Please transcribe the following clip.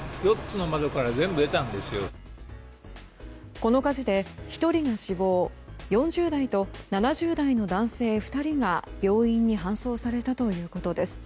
この火事で１人が死亡４０代と７０代の男性２人が病院に搬送されたということです。